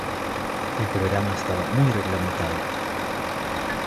El programa estaba muy reglamentado.